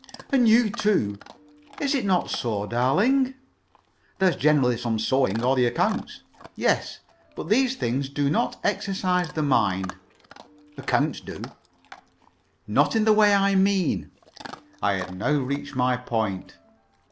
"And you, too. Is it not so, darling?" "There's generally some sewing, or the accounts." "Yes; but these things do not exercise the mind." "Accounts do." "Not in the way I mean." I had now reached my point.